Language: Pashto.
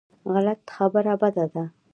غلط خبره بده ده.